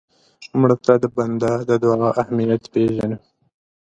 مړه ته د بنده د دعا اهمیت پېژنو